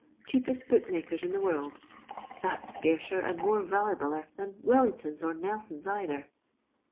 cheapest booksellers in the world.' That 's scarcer and more vallyballer than Wellingtons or Nelsons either."